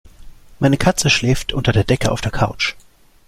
Meine Katze schläft unter der Decke auf der Couch.